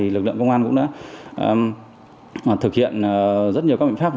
lực lượng công an cũng đã thực hiện rất nhiều các biện pháp